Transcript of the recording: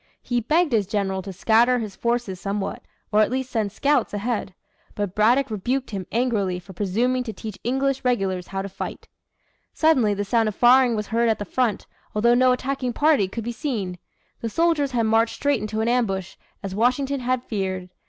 He begged his general to scatter his forces somewhat, or at least send scouts ahead. But Braddock rebuked him angrily for presuming to teach English regulars how to fight. Suddenly the sound of firing was heard at the front, although no attacking party could be seen. The soldiers had marched straight into an ambush, as Washington had feared.